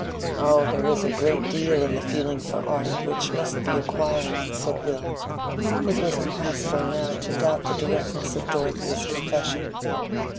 "Oh, there is a great deal in the feeling for art which must be acquired," said Will. (It was impossible now to doubt the directness of Dorothea's confession.)